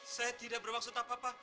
saya tidak bermaksud apa apa